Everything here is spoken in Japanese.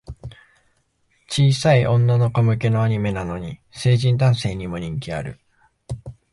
小さい女の子向けのアニメなのに、成人男性にも人気ある